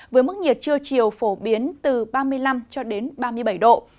với mức nhiệt trưa chiều phổ biến từ ba mươi năm cho đến ba mươi bảy độ